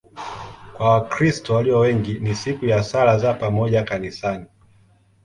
Kwa Wakristo walio wengi ni siku ya sala za pamoja kanisani.